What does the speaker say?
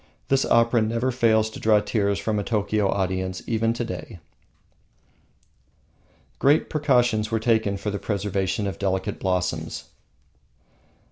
This opera never fails to draw tears from a Tokio audience even to day. Great precautions were taken for the preservation of delicate blossoms.